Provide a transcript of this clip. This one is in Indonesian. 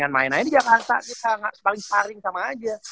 gak main aja di jakarta kita gak paling paling sama aja